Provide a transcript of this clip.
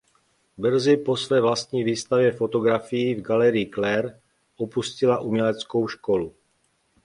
Brzy po své vlastní výstavě fotografií v galerii Claire opustila uměleckou školu.